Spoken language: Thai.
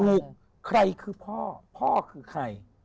ใครคือพ่อพ่อคือใคร